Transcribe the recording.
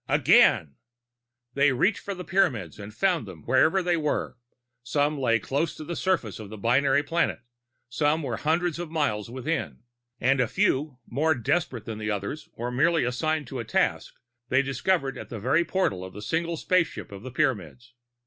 "Again!" They reached for the Pyramids and found them, wherever they were. Some lay close to the surface of the binary planet, and some were hundreds of miles within, and a few, more desperate than the others or merely assigned to the task, they discovered at the very portal of the single spaceship of the Pyramids.